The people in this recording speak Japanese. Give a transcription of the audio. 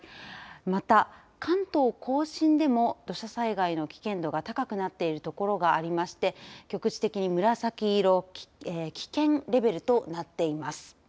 また、関東甲信でも土砂災害の危険度が高くなっているところがありまして局地的に紫色危険レベルとなっています。